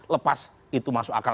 lepas itu masuk akal